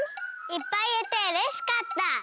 いっぱいいえてうれしかった。